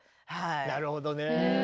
なるほどね。